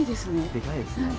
でかいですね。